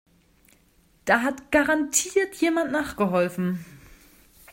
Da hat garantiert jemand nachgeholfen.